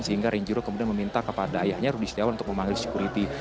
sehingga renjiro kemudian meminta kepada ayahnya rudy setiawan untuk memanggil security